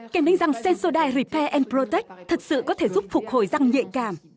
kem đánh răng sensodyne repair protect thật sự có thể giúp phục hồi răng nhạy cảm